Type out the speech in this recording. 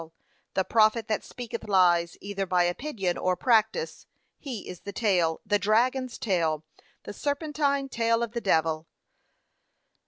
The prophet that speaketh lies, either by opinion or practice, he is the tail, the dragons's tail, the serpentine tail of the devil.